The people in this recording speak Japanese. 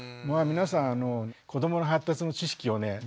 皆さん子どもの発達の知識をね